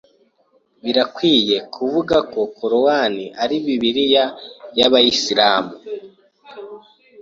Birakwiye kuvuga ko Qor'ani ari bibiliya y’abayisilamu?